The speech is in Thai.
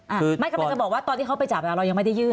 ไม่กำลังจะบอกว่าตอนที่เขาไปจับอ่ะเรายังไม่ได้ยื่น